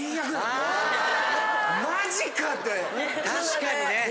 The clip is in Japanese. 確かにね。